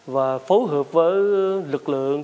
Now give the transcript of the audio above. và phối hợp với lực lượng